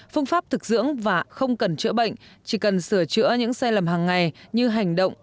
phương pháp thực dưỡng và không cần chữa bệnh chỉ cần sửa chữa những sai lầm hàng ngày như hành động